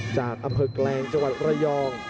จากอเผิกแหลงจระยอง